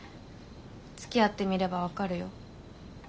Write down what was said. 「つきあってみれば分かるよ」